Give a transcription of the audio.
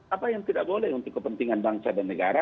apa yang tidak boleh untuk kepentingan bangsa dan negara